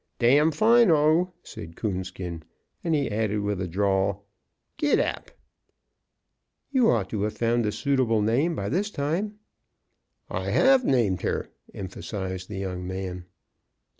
"Damfino," said Coonskin; and he added, with a drawl, "Git ap." "You ought to have found a suitable name by this time." "I HAVE named her," emphasized the young man.